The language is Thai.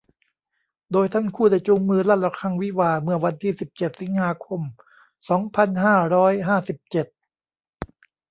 โดยทั้งคู่ได้จูงมือลั่นระฆังวิวาห์เมื่อวันที่ สิบเจ็ด สิงหาคม สองพันห้าร้อยห้าสิบเจ็ด